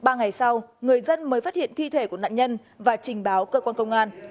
trong ba ngày sau người dân mới phát hiện thi thể của nạn nhân và trình báo cơ quan công an